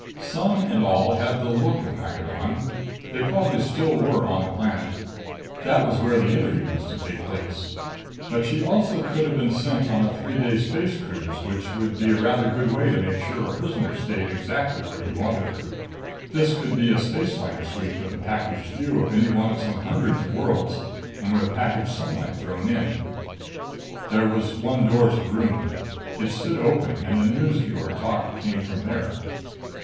Sun and all had the look of Maccadon they probably still were on the planet. That was where the interview was to take place. But she also could have been sent on a three day space cruise, which would be a rather good way to make sure a prisoner stayed exactly where you wanted her. This could be a spaceliner suite with a packaged view of any one of some hundreds of worlds, and with packaged sunlight thrown in. There was one door to the room. It stood open, and the news viewer talk came from there.